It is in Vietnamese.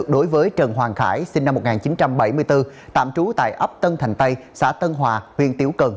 đối với trần hoàng khải sinh năm một nghìn chín trăm bảy mươi bốn tạm trú tại ấp tân thành tây xã tân hòa huyện tiểu cần